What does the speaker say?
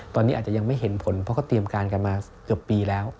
ตอนนี้อาจจะยังไม่เห็นผลเพราะเขาเตรียมการกันมาเกือบปีแล้ว